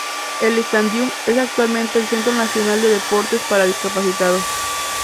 El Stadium es actualmente el Centro Nacional de Deportes para Discapacitados.